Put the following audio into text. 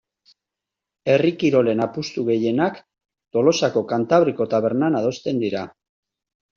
Herri kirolen apustu gehienak Tolosako Kantabriko tabernan adosten dira.